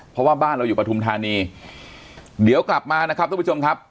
เพราะว่าบ้านเราอยู่ปฐุมธานีเดี๋ยวกลับมานะครับทุกผู้ชมครับ